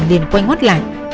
liền quay ngót lại